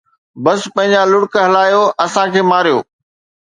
بس پنهنجا لڙڪ هلايو، اسان کي ماريو